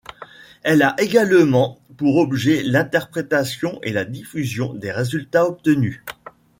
Elle a également pour objet l'interprétation et la diffusion des résultats obtenus.